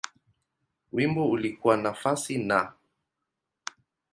Wimbo ulikuwa nafasi Na.